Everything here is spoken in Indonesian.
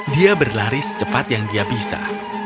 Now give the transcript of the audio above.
dia berlari secepat yang dia bisa